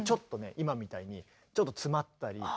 今みたいにちょっと詰まったり。